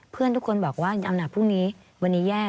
เพื่อนทุกคนบอกว่าน้ำหนักพรุ่งนี้วันนี้แย่